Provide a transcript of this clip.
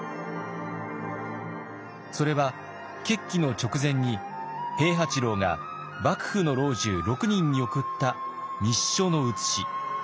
それは決起の直前に平八郎が幕府の老中６人に送った密書の写し。